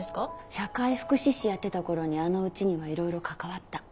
社会福祉士やってた頃にあのうちにはいろいろ関わった。